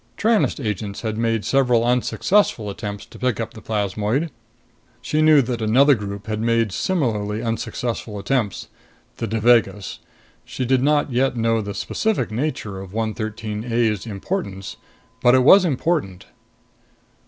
Tranest agents had made several unsuccessful attempts to pick up the plasmoid. She knew that another group had made similarly unsuccessful attempts. The Devagas. She did not yet know the specific nature of 113 A's importance. But it was important.